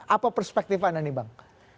apa perspektif anda nih bang